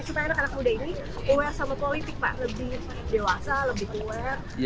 eh supaya anak anak muda ini